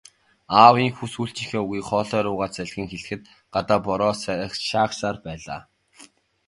Аав ийнхүү сүүлчийнхээ үгийг хоолой руугаа залгин хэлэхэд гадаа бороо шаагьсаар байлаа.